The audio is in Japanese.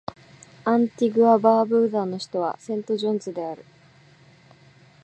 アンティグア・バーブーダの首都はセントジョンズである